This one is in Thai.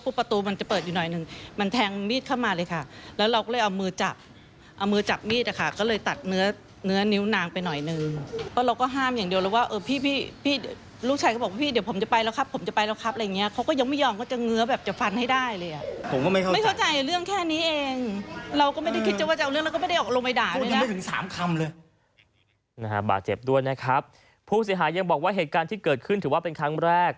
ผู้เสียหายยังบอกว่าเหตุการณ์ที่เกิดขึ้นถือว่าเป็นครั้งแรก